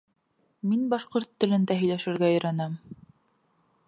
Мин башҡорт телендә һөйләшергә өйрәнәм